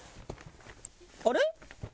あれ？